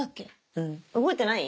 うん覚えてない？